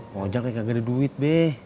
ngajak kayak gak ada duit beh